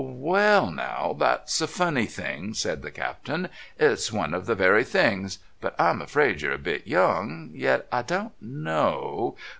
"Well, now, that's a funny thing," said the Captain. "It's one of the very things. But I'm afraid you're a bit young. Yet I don't know.